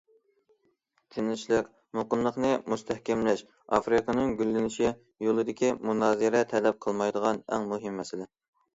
تىنچلىق، مۇقىملىقنى مۇستەھكەملەش ئافرىقىنىڭ گۈللىنىش يولىدىكى مۇنازىرە تەلەپ قىلمايدىغان ئەڭ مۇھىم مەسىلە.